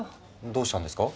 どうしたんですか？